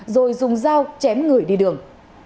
rồi dùng dao chém người đi đường